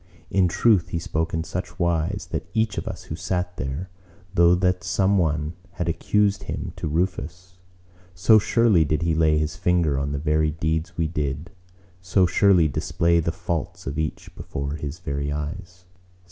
In truth he spoke in such wise, that each of us who sat there, though that some one had accused him to Rufus:—so surely did he lay his finger on the very deeds we did: so surely display the faults of each before his very eyes.